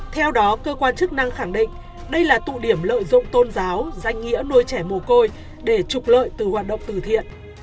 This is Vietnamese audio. theo đó cơ quan chức năng khẳng định đây là tụ điểm lợi dụng tôn giáo danh nghĩa nuôi trẻ mồ côi để trục lợi từ hoạt động từ thiện